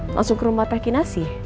langsung ke rumah teh kinasi